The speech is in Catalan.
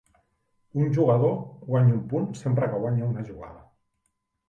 Un jugador guanya un punt sempre que guanya una jugada.